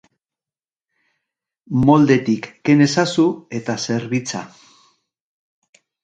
Moldetik ken ezazu eta zerbitza.